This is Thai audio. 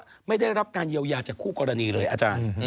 ไม่ได้รับการเยียวยาจากคู่กรณีเลยอาจารย์